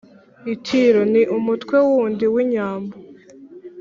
itiro: ni umutwe wundi w’inyambo